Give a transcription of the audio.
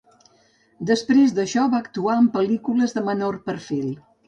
Després d'això, va actuar en pel·lícules de menor perfil.